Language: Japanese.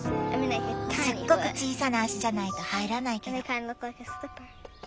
すっごく小さな足じゃないと入らないけど。